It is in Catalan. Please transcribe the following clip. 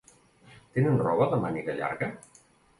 Tenen roba de màniga llarga?